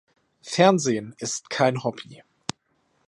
Fernsehen ist kein Hobby.